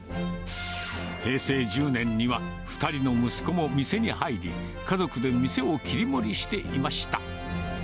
平成１０年には２人の息子も店に入り、家族で店を切り盛りしていました。